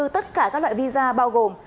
tất cả các loại visa bao gồm